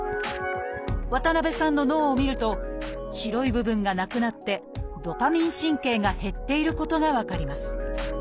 渡辺さんの脳を見ると白い部分がなくなってドパミン神経が減っていることが分かります。